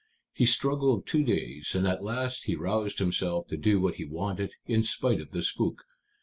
He struggled two days, and at last he roused himself to do what he wanted in spite of the spook.